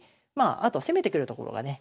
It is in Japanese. あと攻めてくるところがね